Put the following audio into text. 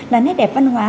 là nét đẹp văn hóa